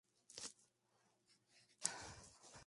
La segunda etapa de procesamiento depende de la atención.